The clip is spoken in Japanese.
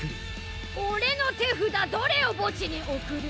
俺の手札どれを墓地に送る？